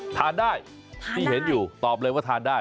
ทานได้ที่เห็นอยู่ตอบเลยว่าทานได้